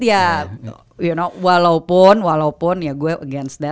ya walaupun ya gue menentang itu